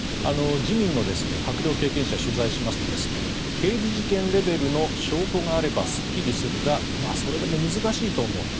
自民の閣僚経験者に取材しますと刑事事件レベルの証拠があればすっきりするがそれでも難しいと思うと。